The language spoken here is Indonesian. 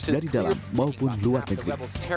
dari dalam maupun luar negeri